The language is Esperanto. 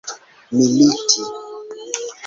militi